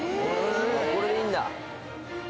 これでいいんだ